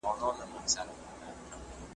تل به نه وي زموږ په مېنه د تیارې ابۍ شریکه .